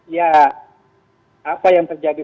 ya apa yang terjadi